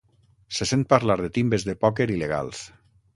Se sent parlar de timbes de pòquer il·legals.